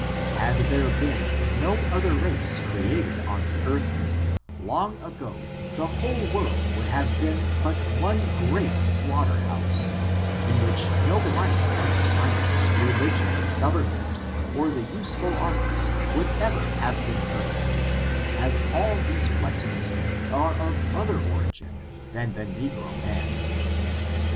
Had there been no other race cre ated on the earth, long ago the whole world would have been but one great slaughter house, in which no light of science, religion, government, or the useful arts, would ever have been heard of; as all these blessings are of other origin than the negro man.